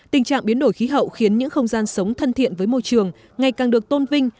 tình trạng biến đổi khí hậu khiến những không gian sống thân thiện với môi trường ngày càng được tôn vinh